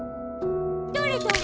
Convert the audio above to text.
どれどれ？